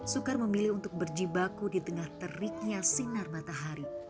soekar memilih untuk berjibaku di tengah teriknya sinar matahari